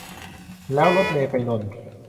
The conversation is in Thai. แล้วรถเมล์ไปนนท์